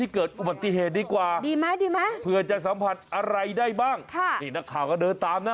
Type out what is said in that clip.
เกิดอุบัติเหตุดีกว่าดีไหมดีไหมเผื่อจะสัมผัสอะไรได้บ้างค่ะนี่นักข่าวก็เดินตามนะ